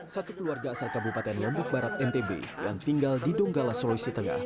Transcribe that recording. satu keluarga asal kabupaten lombok barat ntb yang tinggal di donggala sulawesi tengah